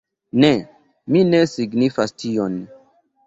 Ne, mi ne signifas tion.